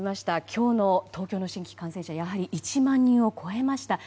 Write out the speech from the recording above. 今日の東京の新規感染者は１万人を超えました。